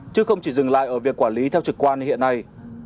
chứ không chỉ dừng lại ở việc quản lý theo trực quan như hiện nay